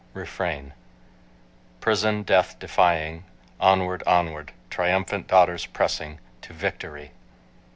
REFRAIN Prison, death, defying, Onward, onward, Triumphant daughters pressing To victory.